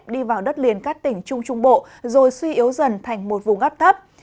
đi vào đất liền các tỉnh trung trung bộ rồi suy yếu dần thành một vùng áp thấp